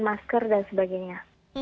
masker dan sebagainya